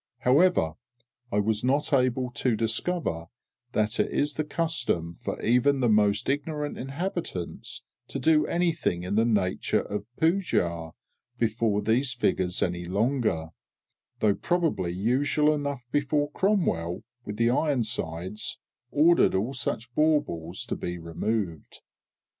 However, I was not able to discover that it is the custom for even the most ignorant inhabitants to do anything in the nature of poojah before these figures any longer, though probably usual enough before CROMWELL, with the iron sides, ordered all such baubles to be removed.